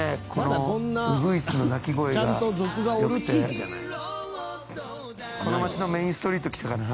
まだこんなちゃんと族がおる地域じゃない？